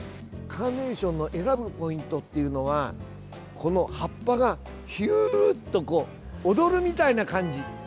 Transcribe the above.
カーネーションの選ぶポイントっていうのは葉っぱがヒューッとこう、踊るみたいな感じ。